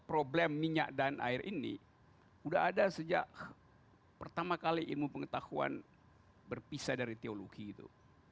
problem minyak dan air ini sudah ada sejak pertama kali ilmu pengetahuan berpisah dari teologi itu